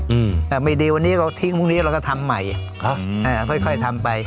อืมอ่าไม่ดีวันนี้ก็ทิ้งพรุ่งนี้เราก็ทำใหม่อ่าค่อยค่อยทำไป